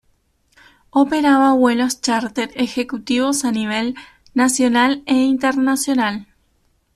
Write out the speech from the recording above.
Operaba vuelos chárter ejecutivos a nivel nacional e internacional.